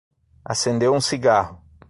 Acendeu um cigarro